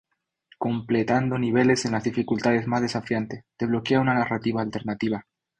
Completando niveles en las dificultades más desafiantes desbloquea una narrativa alternativa.